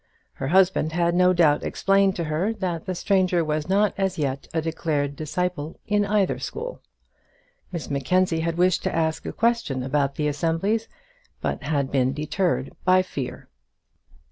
Her husband had no doubt explained to her that the stranger was not as yet a declared disciple in either school. Miss Mackenzie had wished to ask a question about the assemblies, but had been deterred by fear.